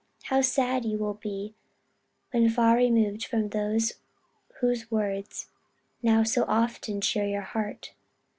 how sad you will be when far removed from those whose words now so often cheer your heart.